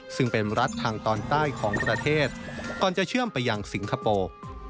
ซึ่งเป็นรัฐทางตอนใต้ของประเทศก่อนจะเชื่อมไปยังสิงคโปร์